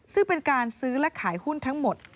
ซึ่งเป็นการซื้อและขายหุ้นทั้งหมด